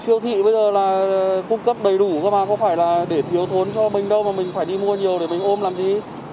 siêu thị bây giờ là cung cấp đầy đủ và có phải là để thiếu thốn cho mình đâu mà mình phải đi mua nhiều để mình ôm làm gì